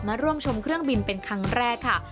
มาร่วมชมเครื่องบินเป็นครั้งแรกค่ะ